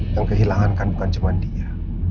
yang kehilangan kan bukan cuma dia